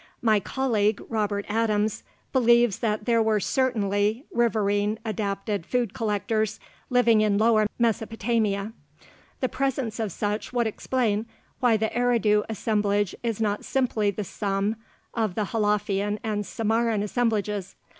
My colleague, Robert Adams, believes that there were certainly riverine adapted food collectors living in lower Mesopotamia. The presence of such would explain why the Eridu assemblage is not simply the sum of the Halafian and Samarran assemblages.